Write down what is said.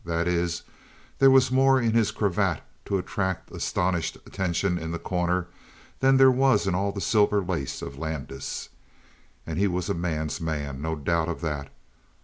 That is, there was more in his cravat to attract astonished attention in The Corner than there was in all the silver lace of Landis. And he was a man's man, no doubt of that.